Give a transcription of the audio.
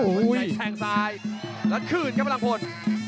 พยายามจะแข็งซ้ายแล้วคืนครับพลังพล